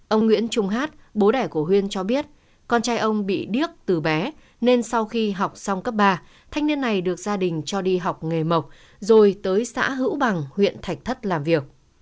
ông nguyễn trung hát bố đẻ của huyên cho biết con trai ông bị điếc từ bé nên sau khi học xong cấp ba thanh niên này được gia đình cho đi học nghề mộc rồi tới xã hữu bằng huyện thạch thất làm việc